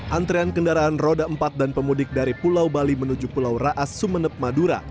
antrean kendaraan roda empat dan pemudik dari pulau bali menuju pulau raas sumeneb madura